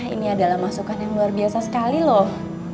ini adalah masukan yang luar biasa sekali loh